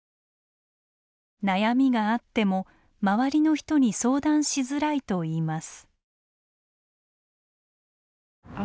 悩みがあっても周りの人に相談しづらいといいます。